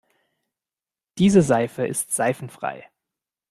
Diese Seife ist seifenfrei.